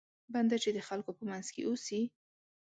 بنده چې د خلکو په منځ کې اوسي.